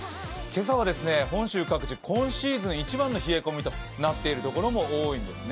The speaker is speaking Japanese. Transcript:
今朝は本州各地、今シーズン一番の冷え込みとなっているところも多いです。